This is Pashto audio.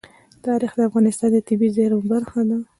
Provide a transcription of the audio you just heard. تاریخ د افغانستان د طبیعي زیرمو برخه ده.